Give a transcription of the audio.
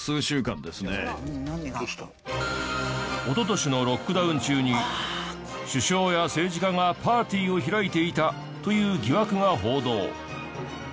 おととしのロックダウン中に首相や政治家がパーティーを開いていたという疑惑が報道。